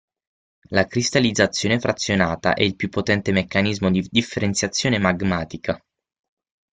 La cristallizzazione frazionata è il più potente meccanismo di differenziazione magmatica.